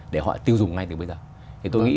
để họ tiêu dùng ngay từ bây giờ thì tôi nghĩ